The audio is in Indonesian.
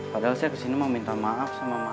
padahal saya kesini mau minta maaf sama mama